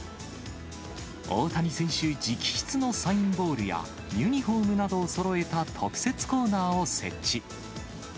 大谷選手直筆のサインボールや、ユニホームなどをそろえた、特設コーナーを設置。